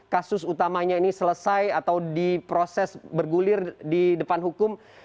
kasus utamanya ini selesai atau diproses bergulir di depan hukum